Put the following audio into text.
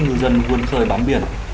người dân vươn khơi bám biển